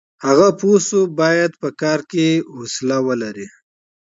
هغه پوه شو چې بايد په کار کې استقامت ولري.